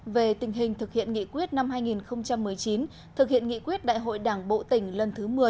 về tình hình thực hiện nghị quyết năm hai nghìn một mươi chín thực hiện nghị quyết đại hội đảng bộ tỉnh lần thứ một mươi